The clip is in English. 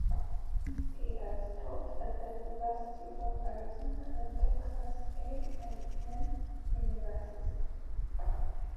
He has taught at the University of Arizona and Texas A and M University.